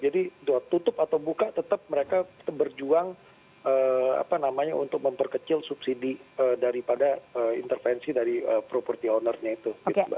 jadi tutup atau buka tetap mereka berjuang untuk memperkecil subsidi daripada intervensi dari property owner nya itu